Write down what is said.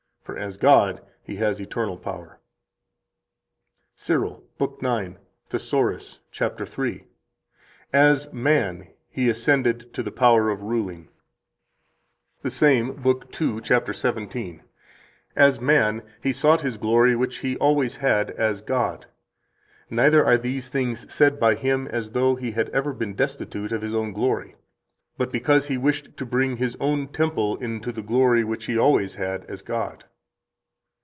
For as God He has eternal power." 53 CYRIL, lib. 9 Thesauri, cap. 3 (tom. 2, p. 110): "As man He ascended to the power of ruling." 54 The same, lib. 2, cap. 17: "As man He sought His glory which He always had as God. Neither are these things said by Him as though He had ever been destitute of His own glory, but because He wished to bring His own temple into the glory which He always has as God."